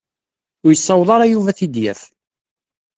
Ur isaweḍ ara Yuba ad t-id-yaf.